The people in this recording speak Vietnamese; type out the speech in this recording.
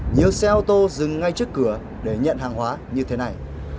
nhiều xe ô tô dừng ngay trước cửa để nhận hàng hóa như thế này